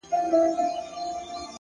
ساقي پر ملا را خمه سه پر ملا در مات دی’